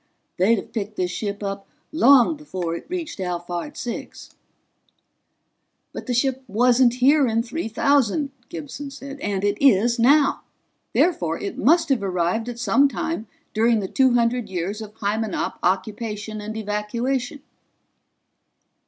They'd have picked this ship up long before it reached Alphard Six." "But the ship wasn't here in 3000," Gibson said, "and it is now. Therefore it must have arrived at some time during the two hundred years of Hymenop occupation and evacuation."